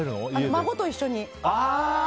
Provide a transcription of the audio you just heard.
孫と一緒に。